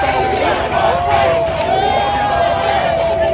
เฮียเฮียเฮีย